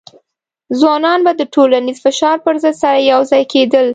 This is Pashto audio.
ځوانان به د ټولنیز فشار پر ضد سره یوځای کېدل.